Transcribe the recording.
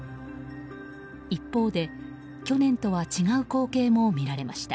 一方で去年とは違う光景も見られました。